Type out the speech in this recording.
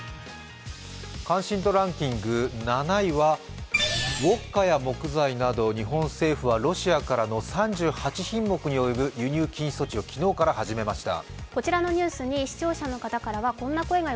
関心度ランキング７位は、ウオッカや木材など、日本政府はロシアからの３８品目に及ぶ輸入禁止措置を昨日から始めました。